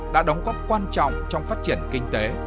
đã đóng góp quan trọng trong phát triển kinh tế